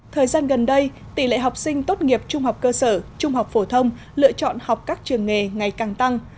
thời gian gần đây tỷ lệ học sinh tốt nghiệp trung học cơ sở trung học phổ thông lựa chọn học các trường nghề ngày càng tăng